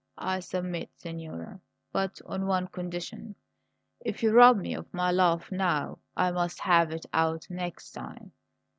"I submit, signora; but on one condition. If you rob me of my laugh now, I must have it out next time.